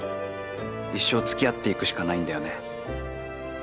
一生付き合っていくしかないんだよね。